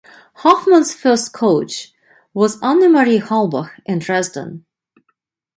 Hoffmann's first coach was Annemarie Halbach in Dresden.